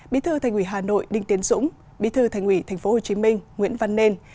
bí thư thành ủy hà nội đinh tiến dũng bí thư thành ủy tp hcm nguyễn văn nên